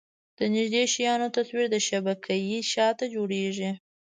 د نږدې شیانو تصویر د شبکیې شاته جوړېږي.